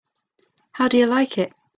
How do you like it?